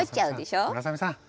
村雨さん